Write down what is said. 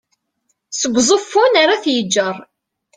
seg uẓeffun ar at yeğğer